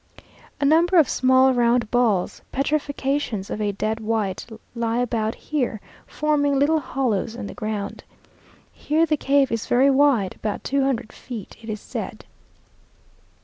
A number of small round balls, petrifactions of a dead white, lie about here, forming little hollows in the ground. Here the cave is very wide about two hundred feet, it is said.